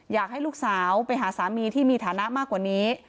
อยากให้ลูกสาวไปหาสามีที่มีฐานะมากกว่านี้